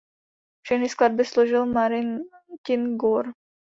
Všechny skladby složil Martin Gore.